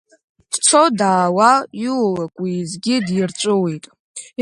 Дцо, даауа, ииулакь, уеизгьы бирҵәуеит.